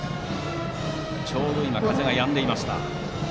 ちょうど今、風がやんでいました。